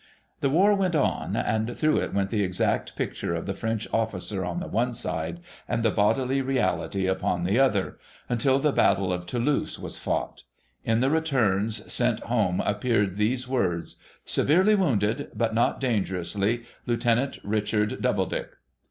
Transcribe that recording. The war went on — and through it went the exact picture of the French officer on the one side, and the bodily reality upon the other •— until the Battle of Toulouse was fought. In the returns sent home appeared these words :' Severely wounded, but not danger ousl}^, Lieutenant Richard Doubledick.'